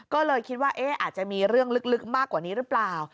ก็เลยคิดว่าอาจจะมีเรื่องลึกมากกว่านี้หรือเปล่า